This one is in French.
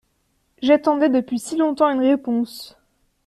J’attendais depuis si longtemps une réponse.